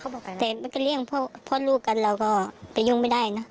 เขาบอกไปแล้วแต่มันก็เรียกพ่อพ่อลูกกันเราก็ไปยุ่งไม่ได้น่ะ